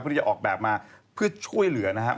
ที่จะออกแบบมาเพื่อช่วยเหลือนะครับ